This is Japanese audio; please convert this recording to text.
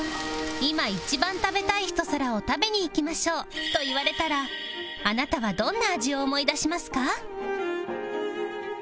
いま一番食べたい一皿を食べに行きましょうと言われたらあなたはどんな味を思い出しますか？